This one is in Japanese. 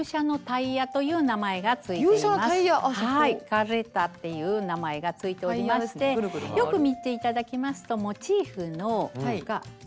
「カレッタ」っていう名前が付いておりましてよく見て頂きますとモチーフが全部種類が違います。